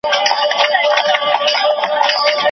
له تېروتنو زدکړه وکړه چي بيا يې تکرار نه کړې او پرمختګ وکړې .